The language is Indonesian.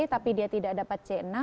tapi dia tidak dapat c enam